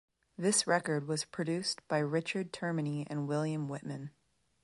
This record was produced by Richard Termini and William Wittman.